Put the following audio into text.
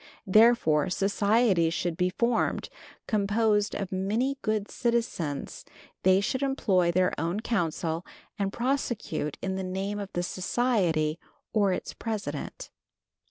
Therefore, societies should be formed, composed of many good citizens; they should employ their own counsel, and prosecute in the name of the society or its president.